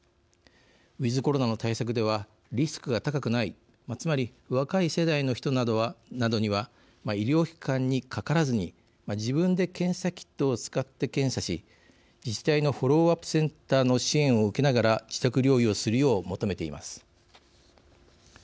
ウィズコロナの対策ではリスクが高くないつまり、若い世代の人などには医療機関にかからずに自分で検査キットを使って検査し自治体のフォローアップセンターの支援を受けながら自宅療養するよう求めています。